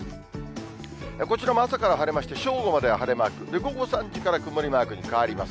こちらも朝から晴れまして、正午までは晴れマーク、午後３時から曇りマークに変わります。